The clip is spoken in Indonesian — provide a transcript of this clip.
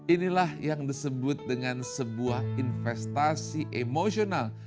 inilah yang disebut dengan sebuah investasi emosional